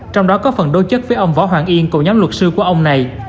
trong đó có phần đối chất với ông võ hoàng yên cùng nhóm luật sư của ông này